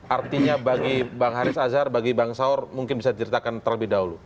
artinya bagi bang haris azhar bagi bang saur mungkin bisa diceritakan terlebih dahulu